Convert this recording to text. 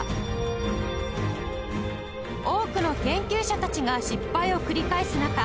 多くの研究者たちが失敗を繰り返す中